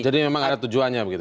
jadi memang ada tujuannya begitu ya